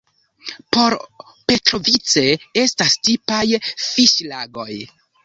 Por Petrovice estas tipaj fiŝlagoj.